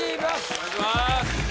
お願いします